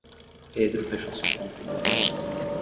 Pedro fechou sua conta do Bradesco.